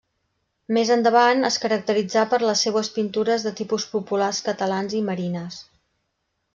Més endavant, es caracteritzà per les seues pintures de tipus populars catalans i marines.